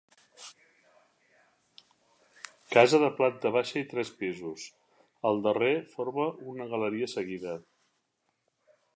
Casa de planta baixa i tres pisos, el darrer forma una galeria seguida.